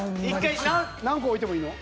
何個置いてもいいの？